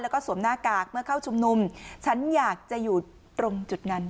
แล้วก็สวมหน้ากากเมื่อเข้าชุมนุมฉันอยากจะอยู่ตรงจุดนั้น